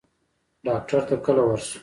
ډاکټر ته کله ورشو؟